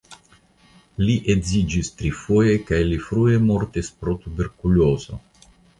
Li edziĝis trifoje kaj li frue mortis pro tuberkulozo.